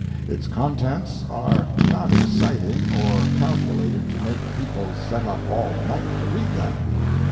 Its contents are not exciting or calculated to make people set up all night to read them.